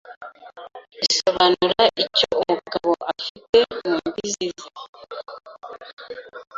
bisobanura icyo umugabo afite mu mbibi ze